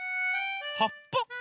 はっぱ？